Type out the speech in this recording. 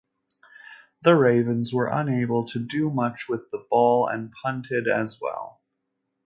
The Ravens were unable to do much with the ball and punted as well.